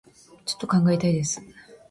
ちょっと考えたいです